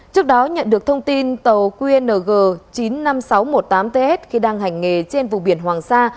trước đó nhận được thông tin tàu qng chín mươi năm nghìn sáu trăm một mươi tám ts khi đang hành nghề trên vùng biển hoàng sa